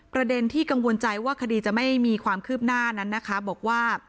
ประเด็นที่กังวลใจว่าคดีจะไม่มีความคืบหน้านั้นนะคะบอกว่า